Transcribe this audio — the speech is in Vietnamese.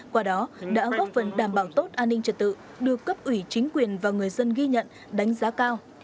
qua đó đã góp phần đảm bảo tốt an ninh trật tự được cấp ủy chính quyền và người dân ghi nhận đánh giá cao